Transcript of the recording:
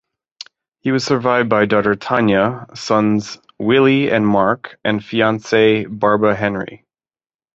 He was survived by daughter Tanya, sons Willie and Mark and fiancee Barbara Henry.